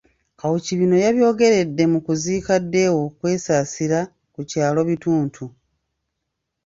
Kawuki bino yabyogeredde mu kuziika Deo Kwesasira ku kyalo Bituntu